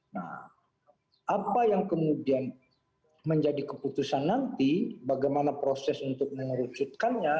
nah apa yang kemudian menjadi keputusan nanti bagaimana proses untuk mengerucutkannya